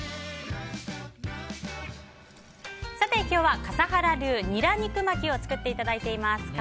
今日は、笠原流ニラ肉巻きを作っていただいています。